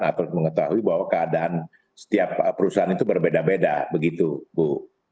atau mengetahui bahwa keadaan setiap perusahaan itu berbeda beda begitu bu